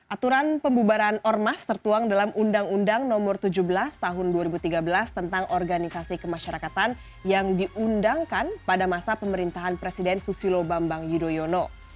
aturan pembubaran ormas tertuang dalam undang undang nomor tujuh belas tahun dua ribu tiga belas tentang organisasi kemasyarakatan yang diundangkan pada masa pemerintahan presiden susilo bambang yudhoyono